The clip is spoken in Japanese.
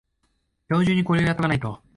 今日中にこれをやっとかないと